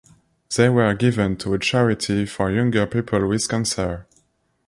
They were given to a charity for younger people with cancer.